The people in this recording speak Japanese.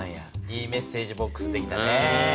いいメッセージボックス出来たね。